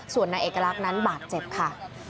ส่วนนายเอกลักษณ์นั้นบาดเจ็บค่ะ